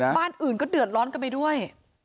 บ้านอื่นก็เดือดร้อนกันไปด้วย